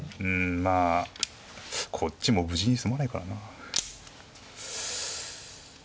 まあこっちも無事に済まないからな。